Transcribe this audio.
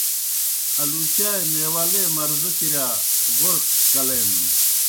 آلُوچائے میواہ لیے قِسمو مرضو کِرِیا غورہ کلینَن۔